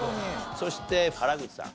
そして原口さん。